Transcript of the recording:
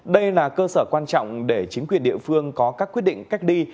đây là cơ sở quan trọng để chính quyền địa phương có các quyết định cách ly